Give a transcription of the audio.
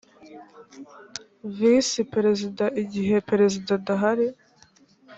visi perezida igihe perezida adahari